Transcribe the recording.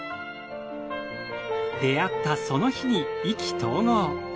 出会ったその日に意気投合。